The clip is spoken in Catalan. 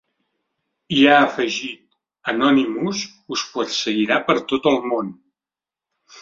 I ha afegit: Anonymous us perseguirà per tot el món.